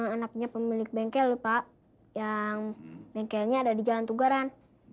anaknya pemilik bengkel lho pak yang bengkelnya ada di jalan tugaran